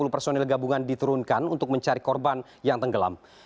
lima puluh personil gabungan diturunkan untuk mencari korban yang tenggelam